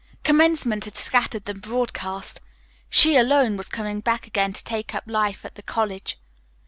Commencement had scattered them broadcast. She, alone, was coming back again to take up life at the college.